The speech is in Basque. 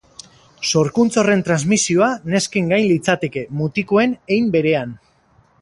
Sorkuntza horren transmisioa nesken gain litzateke, mutikoen hein berean.